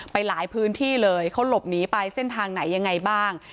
ไปหลายพื้นที่เลยเขาหลบหนีไปเส้นทางไหนยังไงบ้าง